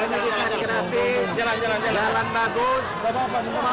semoga penyelenggara juga keamanan keamanan keamanan